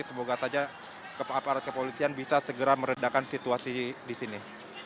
semoga saja aparat kepolisian bisa segera meredakan situasi di sini